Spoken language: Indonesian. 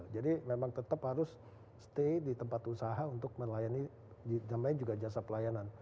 memang tetap harus stay di tempat usaha untuk melayani namanya juga jasa pelayanan